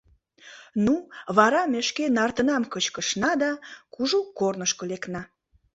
Ну, вара ме шке нартынам кычкышна да кужу корнышко лекна.